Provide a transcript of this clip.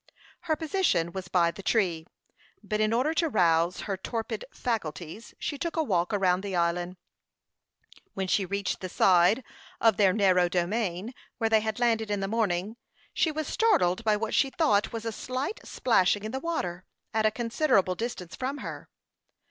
Her position was by the tree; but in order to rouse her torpid faculties, she took a walk around the island. When she reached the side of their narrow domain where they had landed in the morning, she was startled by what she thought was a slight splashing in the water, at a considerable distance from her.